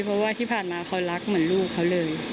เพราะว่าที่ผ่านมาเขารักเหมือนลูกเขาเลย